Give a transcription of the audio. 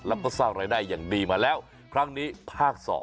แล้วก็สร้างรายได้อย่างดีมาแล้วครั้งนี้ภาค๒